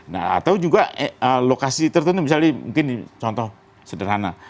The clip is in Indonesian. nah atau juga lokasi tertentu misalnya mungkin contoh sederhana